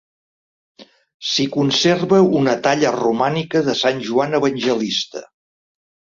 S'hi conserva una talla romànica de sant Joan Evangelista.